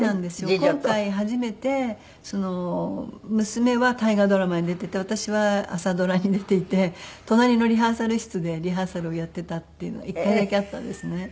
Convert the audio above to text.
今回初めて娘は大河ドラマに出てて私は朝ドラに出ていて隣のリハーサル室でリハーサルをやってたっていうのが１回だけあったんですね。